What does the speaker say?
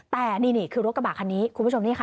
แต่นี่คือรถกระบะคันนี้คุณผู้ชมนี่ค่ะ